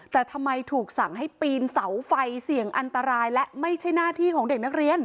แต่ทำไมถูกสั่งให้ปีนเสาไฟเสี่ยงอันตรายและไม่ใช่หน้าที่ของเด็กนักเรียน